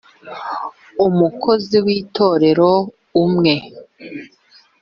umukozi w itorero umwe